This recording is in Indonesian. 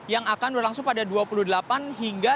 yang akan berlangsung pada dua puluh delapan hingga